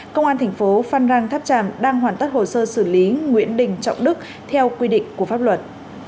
công an thành phố phan rang tháp tràm đang hoàn tất hồ sơ xử lý nguyễn đình trọng đức theo quy định của pháp luật